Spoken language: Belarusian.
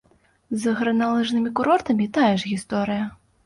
З гарналыжнымі курортамі тая ж гісторыя.